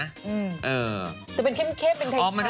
แต่เป็นเข้มเข้ม